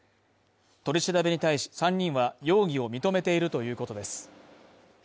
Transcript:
取り調べに対し、３人は容疑を認めているということです。